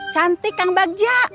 cantik kang bagja